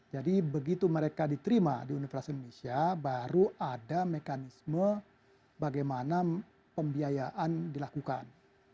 jadi begitu mereka diterima di universitas indonesia baru ada mekanisme bagaimana pembiayaan dilakukan